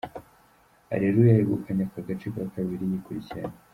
Areruya yegukanye aka gace kabiri yikurikiranya.